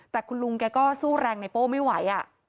แต่คุณลุงแกก็สู้แรงในโป้ไม่ไหว